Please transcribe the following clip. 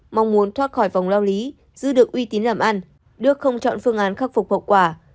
mong muốn thoát khỏi vòng lao lý giữ được uy tín làm ăn đức không chọn phương án khắc phục hậu quả